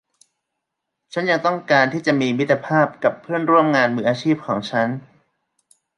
ฉันยังต้องการที่จะมีมิตรภาพกับเพื่อนร่วมงานมืออาชีพของฉัน